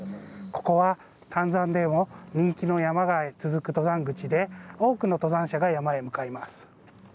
ここは丹沢でも人気の山へ続く登山口で、多くの登山者が山へ向かいます。